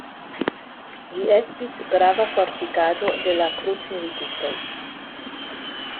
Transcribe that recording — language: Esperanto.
Ĝi estis grava fortikaĵo de la krucmilitistoj.